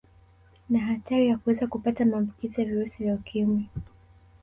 Na hatari ya kuweza kupata maambukizo ya virusi vya Ukimwi